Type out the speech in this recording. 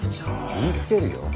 言いつけるよ？